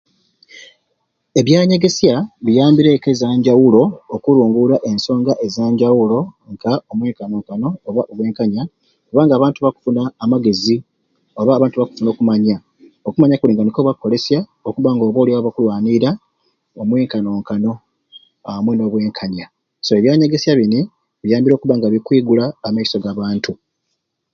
Ebyanyegesyaa biyambire ekka ezanyawulo okurungura ensonga ezanjawulo nka omwenkanonkono oba bwenkanya kuba abantu bakufuna amagezi oba abantu bukufuna okumanya okumanya kuni niko bakolesya okuba nga oba olyawo bakulwaniira omwenkanonkano amwei nobwenkanya so ebyanyegeseya bini biyambire okuba nga bikwigula amaiso ga bantu.